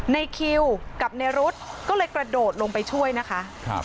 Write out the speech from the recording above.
ในคิวกับในรุ๊ดก็เลยกระโดดลงไปช่วยนะคะ